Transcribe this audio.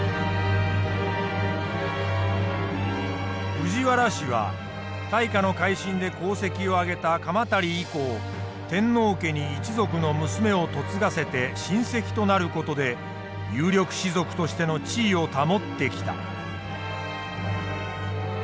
藤原氏は大化の改新で功績をあげた鎌足以降天皇家に一族の娘を嫁がせて親戚となる事で有力氏族としての地位を保ってきた。